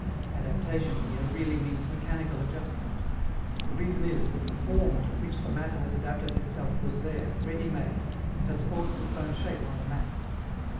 Adaptation, here, really means mechanical adjustment. The reason is that the form to which the matter has adapted itself was there, ready made, and has forced its own shape on the matter.